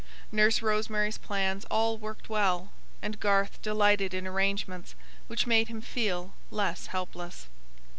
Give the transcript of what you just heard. Nurse Rosemary's plans all worked well; and Garth delighted in arrangements which made him feel less helpless.